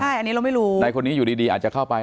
ใช่อันนี้เราไม่รู้นายคนนี้อยู่ดีอาจจะเข้าไป